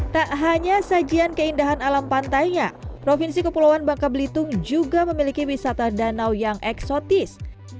tak hanya sajian keindahan alam pantainya provinsi kepulauan bangka belitung juga memiliki wisata danau yang eksotis